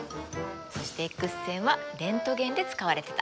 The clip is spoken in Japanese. そしてＸ線はレントゲンで使われてた。